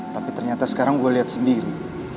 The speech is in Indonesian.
tapi ternyata sekarang gue lihat sendiri